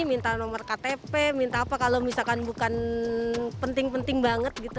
minta nomor ktp minta apa kalau misalkan bukan penting penting banget gitu